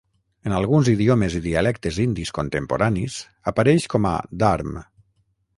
En alguns idiomes i dialectes indis contemporanis apareix com a "dharm".